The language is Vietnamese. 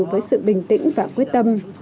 với sự bình tĩnh và quyết tâm